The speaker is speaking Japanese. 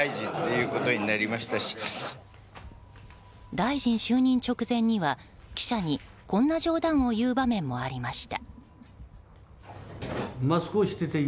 大臣就任直前には記者にこんな冗談を言う場面もありました。